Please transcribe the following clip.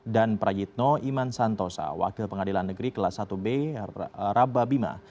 dan prajitno iman santosa wakil pengadilan negeri kelas satu b rababima